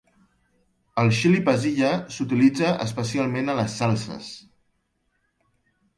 El xili pasilla s'utilitza especialment a les salses.